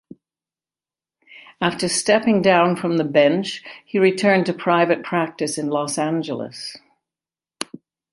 After stepping down from the bench he returned to private practice in Los Angeles.